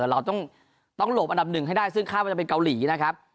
เราต้องหลบอันดับหนึ่งให้ได้ซึ่งคาดว่าจะเป็นเกาหลีนะครับ